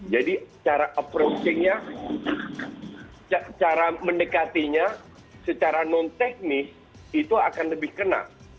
jadi cara approaching nya cara mendekatinya secara non teknis itu akan lebih kena